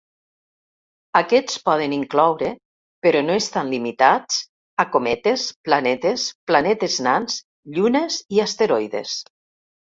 Aquests poden incloure, però no estan limitats a, cometes, planetes, planetes nans, llunes i asteroides.